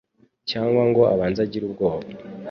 cyangwa ngo abanze agire ubwoba